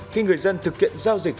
khi người dân thực hiện giao dịch